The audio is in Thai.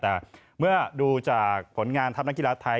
แต่เมื่อดูจากผลงานทัพนักกีฬาไทย